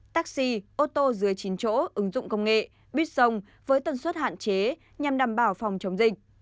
taxi ô tô dưới chín chỗ ứng dụng công nghệ buýt sông với tần suất hạn chế nhằm đảm bảo phòng chống dịch